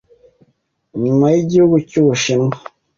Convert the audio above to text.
nyuma y’igihugu cy’ubushinwa